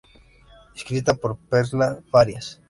Escrita por Perla Farías.